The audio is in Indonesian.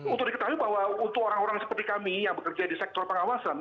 untuk diketahui bahwa untuk orang orang seperti kami yang bekerja di sektor pengawasan